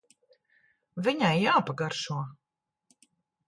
Viņai jāpagaršo.